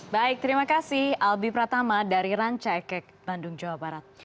baik terima kasih albi pratama dari rancaikek bandung jawa barat